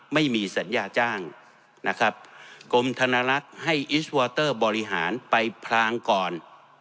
ไม่มีสัญญาจ้างนะครับกรมธนรักษ์ให้บริหารไปพลางก่อน